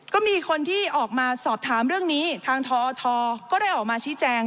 ก็มีคนที่ออกมาสอบถามเรื่องนี้ทางทอทก็ได้ออกมาชี้แจง